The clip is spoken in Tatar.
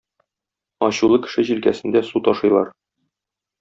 Ачулы кеше җилкәсендә су ташыйлар.